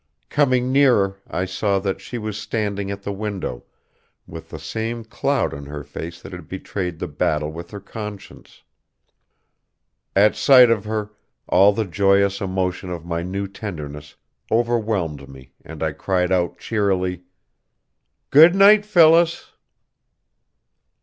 Coming nearer I saw that she was standing at the window, with the same cloud on her face that had betrayed the battle with her conscience. At sight of her all the joyous emotion of my new tenderness overwhelmed me and I cried out cheerily: "Good night, Phyllis!"